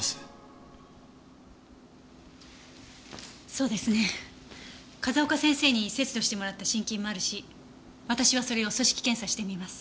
そうですね風丘先生に切除してもらった心筋もあるし私はそれを組織検査してみます。